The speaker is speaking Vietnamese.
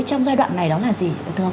trong giai đoạn này đó là gì